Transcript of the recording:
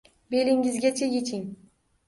Belingizgacha yechining.